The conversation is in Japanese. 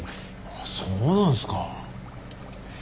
あっそうなんですか。